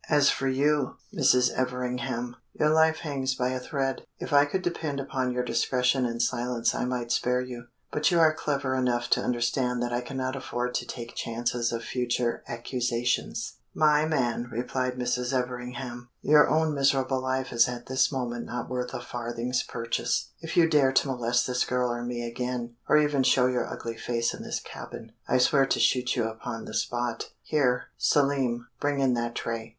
As for you, Mrs. Everingham, your life hangs by a thread. If I could depend upon your discretion and silence I might spare you; but you are clever enough to understand that I cannot afford to take chances of future accusations." "My man," replied Mrs. Everingham, "your own miserable life is at this moment not worth a farthing's purchase. If you dare to molest this girl or me again, or even show your ugly face in this cabin, I swear to shoot you upon the spot. Here, Selim, bring in that tray.